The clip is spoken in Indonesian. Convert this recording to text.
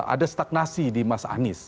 ada stagnasi di mas anies